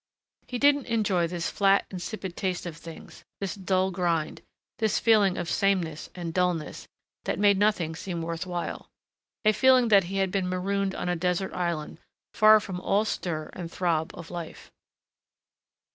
He didn't enjoy this flat, insipid taste of things, this dull grind, this feeling of sameness and dullness that made nothing seem worth while.... A feeling that he had been marooned on a desert island, far from all stir and throb of life.